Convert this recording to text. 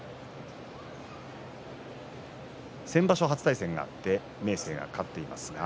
先場所初対戦があって明生が勝っています。